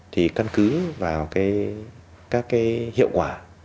thì căn cứ vào các cái hiệu quả